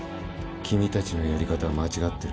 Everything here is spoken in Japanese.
君たちのやり方は間違ってる。